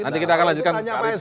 nanti kita akan lanjutkan